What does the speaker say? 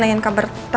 nggak ada di jakarta